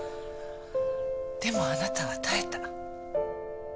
でもあなたは耐えた。